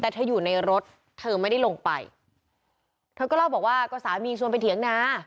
แต่เธออยู่ในรถเธอไม่ได้ลงไปเธอก็เล่าบอกว่าก็สามีชวนไปเถียงนา